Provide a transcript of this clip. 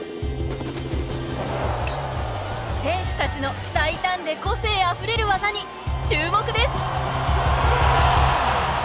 選手たちの、大胆で個性あふれる技に注目です。